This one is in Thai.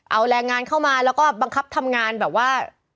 เอาแรงงานเข้ามาแล้วก็บังคับทำงานแบบว่า